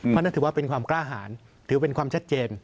เพราะนั่นถือว่าเป็นความกล้าหารถือเป็นความชัดเจน